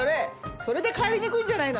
それで帰りにくいんじゃないの！